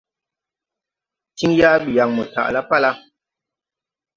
Tin yaa ɓi yaŋ mo taʼ la pala.